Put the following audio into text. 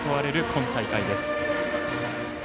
今大会です。